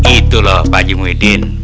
itu loh pakji muhyiddin